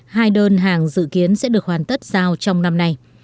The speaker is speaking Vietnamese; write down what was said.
hai đơn hàng dự kiến sẽ được hoàn tất giao trong năm nay